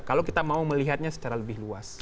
kalau kita mau melihatnya secara lebih luas